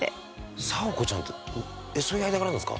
「佐和子ちゃん」ってそういう間柄なんですか？